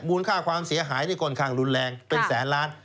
ค่าความเสียหายนี่ค่อนข้างรุนแรงเป็นแสนล้าน